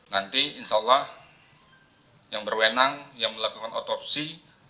nanti insya allah yang berwenang yang melakukan otopsi